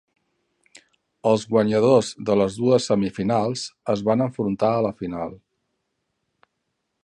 Els guanyadors de les dues semifinals es van enfrontar a la final.